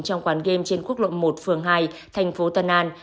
trong quán game trên quốc lộ một phường hai thành phố tân an